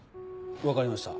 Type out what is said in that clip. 分かりました。